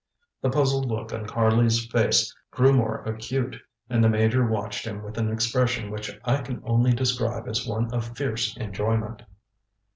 ŌĆØ The puzzled look on Harley's face grew more acute, and the Major watched him with an expression which I can only describe as one of fierce enjoyment.